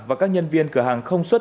và các nhân viên cửa hàng không xuất xứ